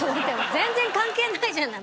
全然関係ないじゃない。